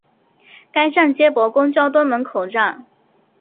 该站接驳公交东门口站。